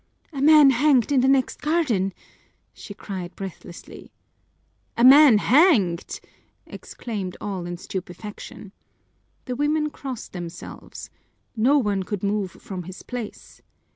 "A man hanged in the next garden!" she cried breathlessly. "A man hanged?" exclaimed all in stupefaction. The women crossed themselves. No one could move from his place.